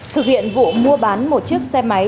thực hiện vụ mua bán một chiếc xe máy